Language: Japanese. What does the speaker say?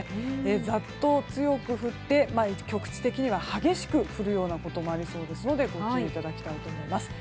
ザッと強く降って局地的には激しく降るようなこともありそうですのでご注意いただきたいと思います。